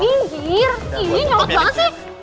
binggir ini nyelot banget sih